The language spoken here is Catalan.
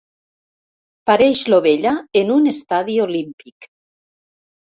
Pareix l'ovella en un estadi olímpic.